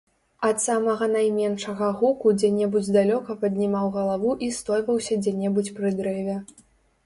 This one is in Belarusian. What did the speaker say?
Ад самага найменшага гуку дзе-небудзь далёка паднімаў галаву і стойваўся дзе-небудзь пры дрэве.